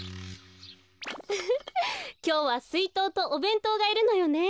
きょうはすいとうとおべんとうがいるのよね。